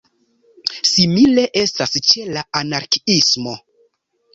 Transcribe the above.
Simile estas ĉe la anarkiismo.